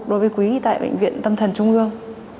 đối với quý tại bệnh viện tâm thần trung ương